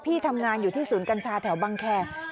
พี่ทำงานอยู่ที่ศูนย์กัญชาแถวบังแคร์